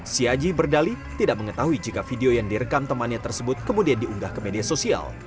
si aji berdali tidak mengetahui jika video yang direkam temannya tersebut kemudian diunggah ke media sosial